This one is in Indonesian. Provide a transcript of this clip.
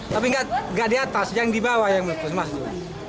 tapi nggak di atas yang di bawah yang meletus